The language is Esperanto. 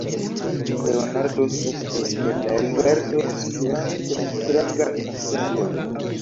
Leonardo sekvis, per la rigardo esplorante la strangan fasadon.